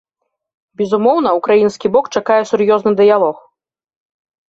Безумоўна, украінскі бок чакае сур'ёзны дыялог.